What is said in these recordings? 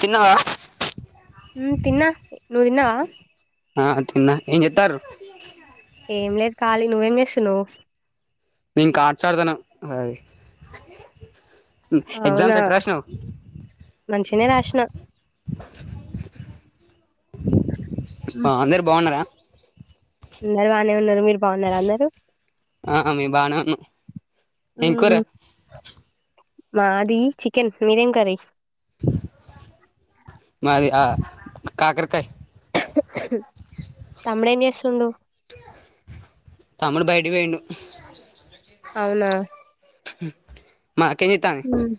తిన్నవా ఉమ్ తిన్నా నువ్వు తిన్నవా ఆ తిన్న ఎన్ జేత్తరు ఏం లేదు ఖాళి నువ్వేం చేస్తునవ్ నెన్ కార్డ్స్ ఆడ్తానా అది అవునా ఎగ్జామ్స్ ఎట్ రాశినవ్ మంచిగనే రాసిన ఉమ్, అ అందరు బాగున్నరా అందరు బానే ఉన్నరు మిరు ఆ మీమ్ బానే ఉన్నం ఉన్ మాది చికెన్ మీదేం కరీ కాకరకాయ్ తమ్ముడేం చేస్తుండు తమ్ముడు బయటి పోయిండు అవునా మా అక్కెం జేత్తాంది హ్మ్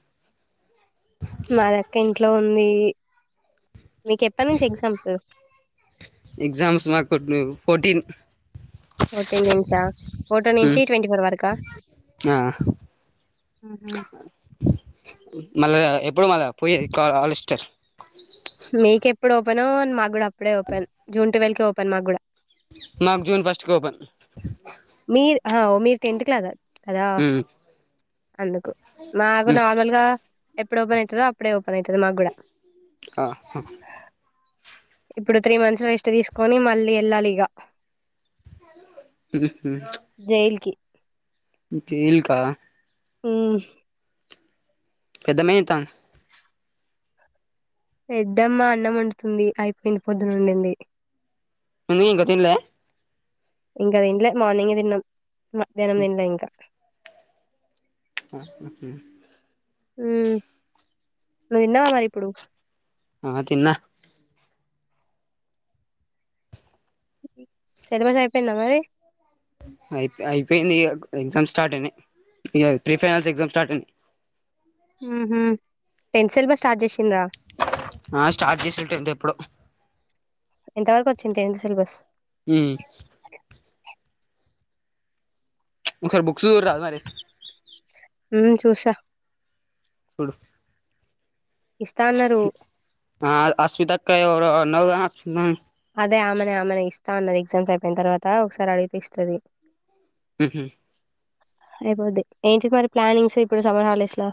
మాదక్క ఇంట్లో ఉంది మీకు ఎప్పటి నుంచి ఎగ్జామ్స్ ఎగ్జామ్స్ మాక్ ఫోర్టీన్ ఫోర్టీన్ నించా ఫోర్టొన్ నుంచి ట్వంటి ఫోర్ వరకా ఆ ఉహు. మళ్ళా ఎప్పుడు మళ్ళా పోయేది క ఆలోష్టర్ మీకేప్పుడు ఓపెనో మాగూడ అప్పుడే ఓపెన్ జూన్ టువెల్ కె ఓపెన్ మాగూడ నాక్ జూన్ ఫస్ట్కి ఓపెన్ మీర్ హ ఒ మీరు టెన్త్ క్లాస అదా అందుకు నాకు నార్మల్గా ఎప్పుడు ఓపెన్ అయితదో అప్పుడే ఓపెన్ అయితది మాగూడ ఆ హ్ ఇప్పుడు త్రీ మంత్స్ రెస్ట్ తీసుకొని మళ్ళీ ఎళ్ళాలి ఇగ కి జెయిల్ కా మ్ పెద్దమ్మెతాం పెద్దమ్మా అన్నం వండుతుంది అయిపోయింది పొద్దునోండింది. పిన్నీ ఇంక తిన్లే ఇంక తిన్లే మార్నింగే తిన్నం మధ్యాహ్నం తిన్లే ఇంక [unintelligible] ఉమ్ నువ్ తిన్నవా మరి ఇప్పుడు ఆ తిన్నా సెలబస్ అయిపోయిందా మరి అయిప్ అయిపోయిందిగా ఎగ్జామ్స్ స్టార్ట్ అయినయ్ ఇగ ప్రీ ఫైనల్స్ ఎగ్జామ్ స్టార్ట్ అయినయి మ్ హ్ టెన్త్ సిలబస్ స్టార్ట్ జేసింన్రా ఆ స్టార్ట్ చేసింర్ టెన్త్ ఎప్పుడో ఎంత వరకొచ్చింద్ టెన్త్ సిలబస్ మ్ ఒకసార్ బుక్స్ చూడ్ రా మరి మ్ చూసా సూడు ఇస్తా అన్నారు ఆ అశ్వితక్క ఎవరో అన్నావ్గ [unintelligible] అదే ఆమనే ఆమనే ఇస్తా అన్నది ఎగ్జామ్స్ అయిపోయిన్ తర్వాత ఒక్సార్ అడిగితే ఇస్తది. మ్ హ్ అయిపోద్ది ఏంటి మరి ప్లానింగ్స్ ఇప్పుడు సమ్మర్ హాలిడేస్ల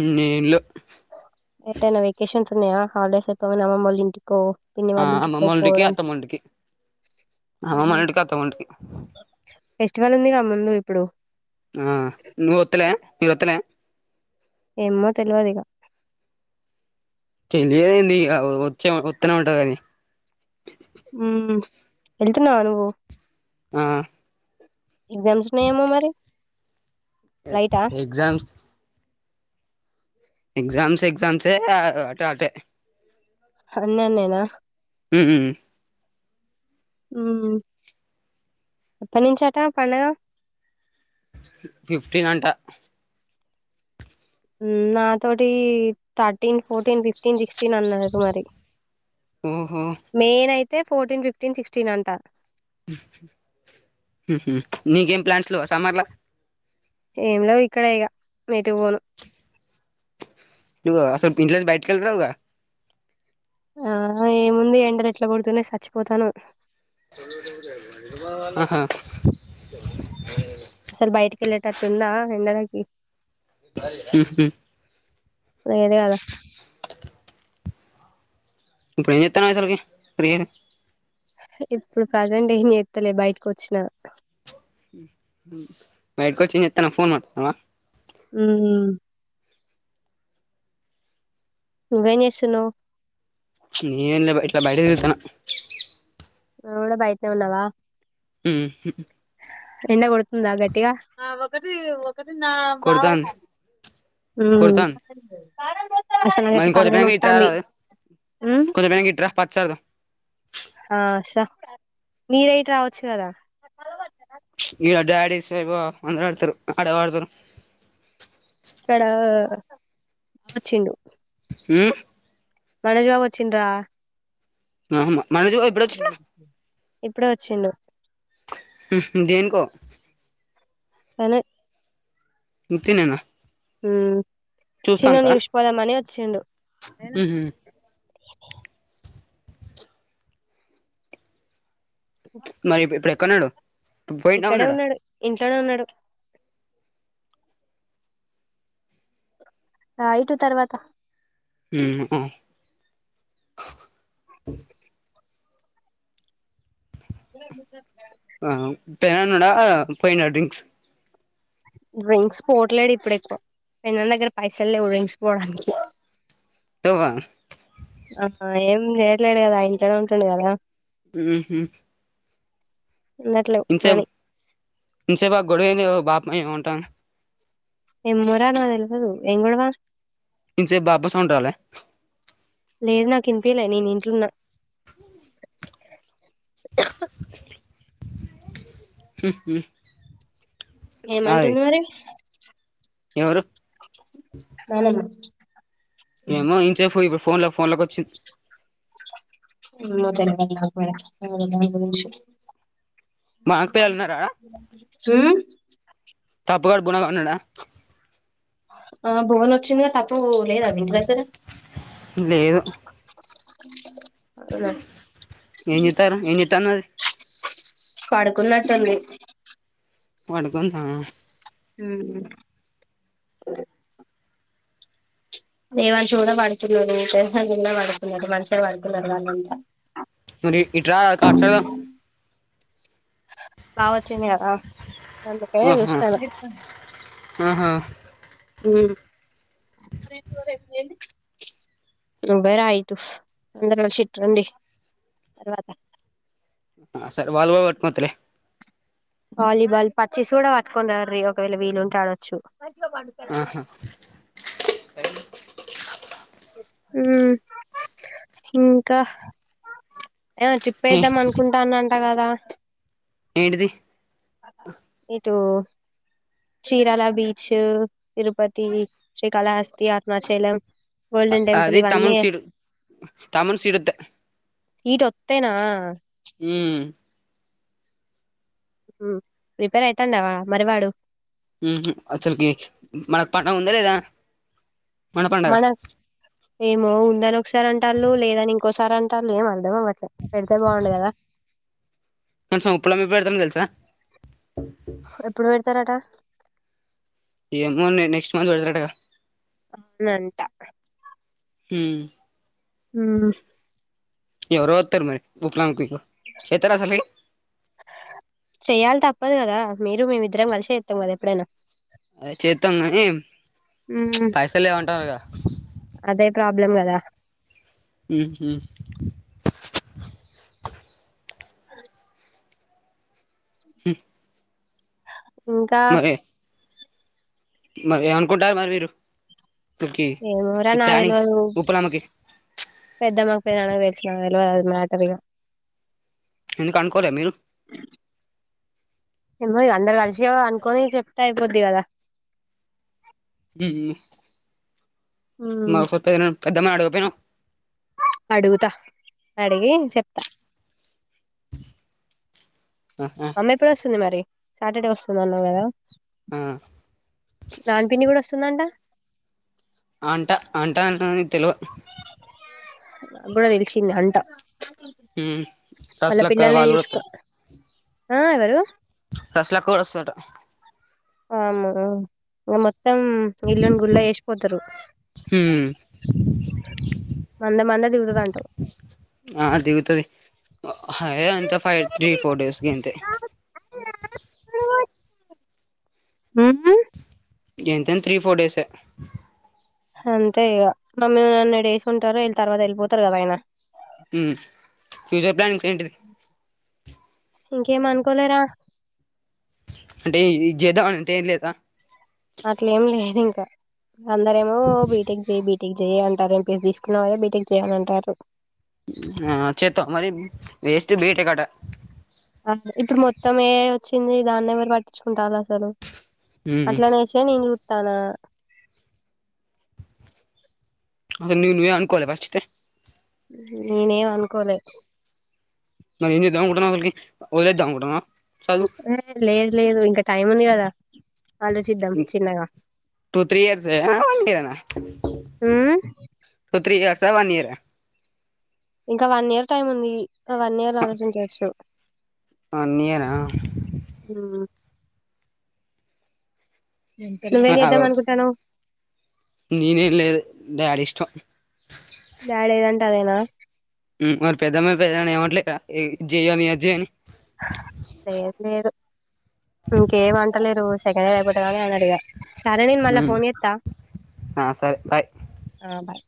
ఉమ్ నిల్ ఉన్నయా హాలిడేస్ అయిపొంగనే అమ్మమ్మ వాల్ ఇంటికో పిన్ని ఆ వాళ్ళ ఇంటికో అమ్మమ్మొల్లింటికి, పోవడం అత్తమ్మొల్లింటికి ఊహూ అమ్మమ్మొళ్లింటికి, అత్తమ్మొల్లింటికి. ఫెస్టివల్ ఉందిగా ముందు ఇప్పుడు ఆ నువత్తలే మీర్ ఒత్తలే ఏమో తెల్వదిగ తెలియదేందిగ వచ్చే వత్తనవ్ ఉంటా గని మ్ ఎళ్తున్నవ నువ్వు ఆ ఎగ్జామ్స్ ఉన్నాయేమో మరి ఎ లైటా ఎగ్జామ్స్ ఎగ్జామ్స్ ఎక్జామ్సే అ అటు అటే అన్ని అన్నేనా హ్మ్ ఉమ్ ఎప్పనుంచట పండగా ఫిఫ్టీన్ అంట మ్ నాతోటి thirteen, fourteen, fifteen, sixteen అన్నది మరి ఓహో మెయిన్ అయి తే ఫోర్టీన్, ఫిఫ్టీన్, సిక్స్టీన్ అంట. మ్ హ్ నీకేం ప్లాన్స్ లెవ్వ సమ్మర్లా ఏం లెవ్ ఇక్కడ ఇగ ఎటు పోను. ఇగో అసల్ ఇంట్ల నుంచ్ బైటికెళ్తలెవ్గా ఆ ఏముంది ఎండల్ ఎట్ల గొడుతునయ్ చచ్చిపోతాన్నం. అహా ఇప్పుడ్ బైటికెళ్ళేటట్ ఉందా ఎండలకి మ్ హ్ లేద్ గదా ఇప్పుడ్ ఏం జేత్తనవ్ అసల్కి ఫ్రీగనే ఇప్పుడు ప్రజెంట్ ఏం జేత్తలే బయటికొచ్చిన ఉమ్ బయట వచ్చిన ఇతున ఫోన్ మాట్లాడుతున్నావా ఉమ్ నువ్వేం జెస్తున్నావ్ ఎంలే ఇట్లా బయట తిరుగుతున్న నువ్ గుడా బైట్నే ఉన్నవా మ్ హ్ ఎండ కొడ్తుందా గట్టిగా కొడతాంది ఉమ్ కొడతాంది అసలు నాకైతే మరి కొంచెం తలకాయ బెంగ్ ఇట్ రా నొత్తాంది రాదు కొంచె బెంగ్ ఇట్ రా పచ్ ఆడదం ఆశ మీరేయిట్ రావచ్చు కదా ఇగా డ్యాడీస్ ఏమో అందర్ ఆడ్తారు ఆడ ఆడ్తారు ఇక్కడ వచ్చిండు ఊమ్ మనోజ్ బావ ఒచ్చింద్ర ఉమ్ మనోజ్ బావ ఎప్పుడ్ వచ్చిండూ ఇప్పుడే ఒచ్చిండు ఉహుమ్ దేనికో అనే ఉతినేనా ఊమ్ చిన్నాని చూసి పోదామని ఓచ్చిండు ఉహు మరి ఇప్పు ఎక్కన్నాడు ఇక్కడే ఉన్నాడు ఇంట్లోనే ఉన్నాడు రా ఇటు తర్వాత ఉమ్ హోం [unintelligible] ఆ పె అన్నాడా పోయిద డ్రింక్స్ డ్రింక్స్ పోట్లేడు ఇప్పుడ్ ఏక్కవ పెద్దన్న దగ్గర పైసల్ లేవ్ డ్రింక్స్ పోడానికి టువ ఆహ ఏం చేయ్యట్లేడ్ కదా ఇంట్లోనే ఉంటుండు కదా ఉహుమ్ ఉండట్లేవు ఇంసేపు మని ఇంసేపు ఆ గొడవైద్ ఓ బాప్ ఏం అంటండ్ ఎమ్మోరా నాక్ తెల్వదు ఏం గొడవ ఇంసేప్ బాపస్ ఉండాలే కింప్యలే నేన్ ఇంట్లోన్నా హ్ హ్మ్ ఏమంటుంద్ మరి ఎవరు నానమ్మ ఏమో ఇంసేపు ఇప్పుడు ఫోన్ లో ఫోన్ లోక్ ఓచ్చింద్ ఇంద్లో [unintelligible] మాకు పిల్లలు ఉన్నారా హ్మ్ అబ్బుగాడు బోనగా ఉన్నాడా ఆ భువన్ ఓచ్చింద్ తప్ప్ ఓ లేదా మీ ఇంటి దగ్గర అవునా ఏమ్ జేతర్ ఏమ్ జేత్తన్నారీ పడుకున్నట్టుంది పడకుందా మ్మ్ జవాన్ష్ కూడా పడ్కున్నాడు సోహం కింద పడ్కున్నాడు మంచిగా పడుకున్నారు వాళ్లంతా నువ్ ఇట్ రా కార్డ్స్ ఆడదాం బా వచ్చింది కదా అందుకే ఆహా చూస్తన ఆహా ఊమ్ నువ్వే రా ఇటు అందర్ కలిసిట్ రండి తర్వాత ఆ సరే వల్గొవాతులే వాలీబాల్ పచ్చిస్ కూడా పట్టుకొని రా ఒకవేళ వీలుంటె ఆడొచ్చు మంచిగా పండుకోరదు టైమ్ ఊ ఇంకా ఏమో ట్రిప్ ఏద్దామని అనుకుంటంరంట గదా ఏంటిది ఇటు చీరాల బీచు తిరుపతి శ్రీకాళహస్తి అరుణాచలం అ గోల్డెన్ టెంపుల్ అది ఇవన్నీ తమున్ సీటు తమున్ సీడ్ ద్ద సీట్ వొత్తేన ఉమ్ ఉ ప్రిపేర్ అయితండవా మరి వాడు ఊహు అసల్కి మనకు పండగ ఉందా లేదా మన పండగ ఏమో ఉందని ఒకసారి అంటాళ్ళు లేదని ఇంకోసారి అంటాళ్లు ఎం అర్దం అవ్వట్లే పెడితే బాగుండు గదా కనీసం ఉప్పులు అమ్మి పెడ్తాన్ తెలుసా ఎప్పుడు పెడతారట ఏమో నె నెక్స్ట్ మంత్ పెడతారాటగా అవునంట హూ ఊ ఎవరో వొత్తర్ మరి ఉప్పులాం కికు చేత్తరా అసలు మీకు చెయాలి తప్పదు గదా మీరు మేమిద్దరం కాలిశెత్తమ్ గదా ఎప్పుడైనా అదే చెత్తమ్ గాని ప్చ్ ఉమ్, పైసలు లేవంటారుగా అదే ప్రాబ్లం గదా ఉ హు అ హు ఇంకా మరి ఏమనుకుంటారు మరి మీరు అసలుకి ఏమోరా ఈ నాక్ ప్లానింగ్స్ తెల్వదు ఉప్పలమ్మకి పెద్దమ్మకు పెద్దనానకు తెలుసు నాక్ తెల్ అది మ్యాటర్ ఇగ ఎందుకు అనుకోలే మీరు ఏమో ఇగ అందరు కలిసి అనుకొని చెప్తే అయిపోద్ది గదా ఊ ఉ మరి ఉమ్, ఒకసారి పెద్దనాన్న పెద్దమ్మ అడుగకపోయినవ్ అడుగుతా అడిగి చెప్తా ఆహా అమ్మ ఎప్పుడు వొస్తుంది మరి సాటర్డే వస్తుంది అన్నావు గదా ఆ నాన్ పిన్ని గుడా వొస్తుందంట అంట అంట అంటున్నవ్ కాని తెలువ నా గుడా తెలషింది అంట ఉమ్ వాళ్ళ రసలక్క పిల్లల్ని వాళ్ళు కూడా తీసుకో ఆ ఎవరు రస్లక్క గుడా వొస్తదట ఆమేవరు విమా త్తం ఇల్లున్ గుల్లా ఎషిపోతరు హ్మ్ మంద మంద దిగుతది అంటవు ఆ దిగుతది హే అంత ఫై త్రీ ఫోర్ డేస్ గంతే ఊమ్ ఎంతన్ త్రీ ఫోర్ డేస్ ఏ అంతే ఇగ మమ్మీ నన్నడు డేస్ ఉంటారు వీళ్ తర్వాత వెళ్ళిపోతారు గదా అయినా ఉం ఫ్యూచర్ ప్లానింగ్స్ ఏంటిది ఇంకేం అనుకోలేరా అంటే ఇది జేద్దమని అంటే ఏం లేదా అట్లేం లేదు ఇంకా అందరేమొ బీటెక్ జేయ్ బీటెక్ జేయ్ అన్ అది ఎంపీసీ తీసుకున్నవ్ గదా బీటెక్ చేయమనంటాన్రు ఆ చేత్తవ మరి వేస్ట్ బేటెక్ అటా ఆ ఇప్పుడు మొత్తం ఏఐ వచ్చింది దాన్నేవరు పట్టించుకుంటాలసలు హ్మ్ అట్లానేేశే నేను జూత్తానా అసల్ ని నువ్వేం అనుకోలే ఫస్ట్ అయితే నేనెం అనుకోలే మరి ఏం జెద్దాం అనుకుంటన్నావ్ అసల్ కి లేదు లేదు ఇంకా టైం ఉంది కదా ఆలోచిద్దాం చిన్నగా టూ త్రీ ఇయర్స్ ఎమన్న ఉమ్ [unintelligible] త్రీ ఇయర్స్ అ వన్ ఇయర్ అ ఇంకా వన్ ఇయర్ టైమ్ ఉంది ఆ వన్ ఇయర్ ఆలోచించోచ్చు వన్ ఇయర్ ఆ ఉమ్ నువ్వేం చేద్దాం ఆ అనుకుంటానవ్ నేనేం లేదు డాడీ ఇష్టం డ్యాడి ఏదంటే అదేనా మ్ మరి పెద్దమ్మ పెద్దనన ఏమంట్లేద ఇద్ జెయ్య ని అజ్జేయ్యని లేదు లేదు ఇంకేం అంటలేరు సెకండ్ ఇయర్ అయిపోతే గాని అన్నారు ఇగా సరే నేను మళ్ళా ఉమ్, ఫోన్ చేత్త ఆ స ఆ బాయ్